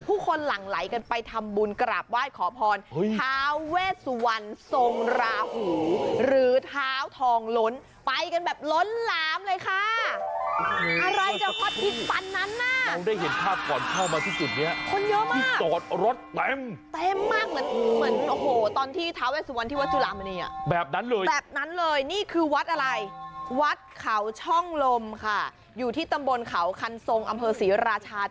ผู้คนหลั่งไหลกันไปทำบุญกระบบวาดขอพร